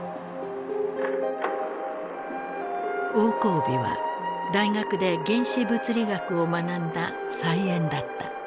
王光美は大学で原子物理学を学んだ才媛だった。